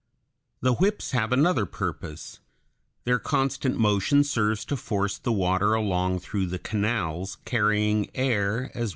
The whips have another purpose; their constant motion serves to force the water along through the canals, carrying air as well as food.